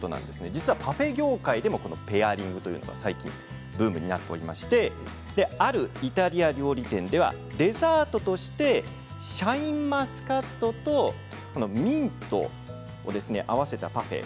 実はパフェ業界でもペアリングは最近ブームになっておりましてあるイタリア料理店ではデザートとしてシャインマスカットとミントを合わせたパフェ。